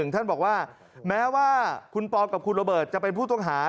ท่านบอกว่าแม้ว่าคุณปอลกับคุณระเบิดจะเป็นผู้ต้องหา